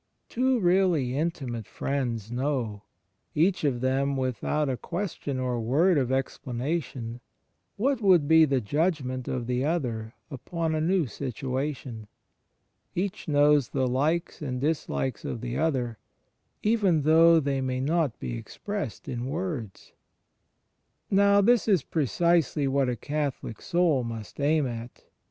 Two really intimate friends know — each of them, without a question or word of explanation ^ n Cor. 2:5. * Col. iii : 3. ' Gal. ii : 20. CHRIST IN THE EXTERIOR 63 — what would be the judgment of the other upon a new situation. Each knows the likes and dislikes of the other, even though they may not be expressed in words. Now this is precisely what a Catholic soul must aim at.